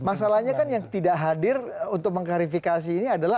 masalahnya kan yang tidak hadir untuk mengklarifikasi ini adalah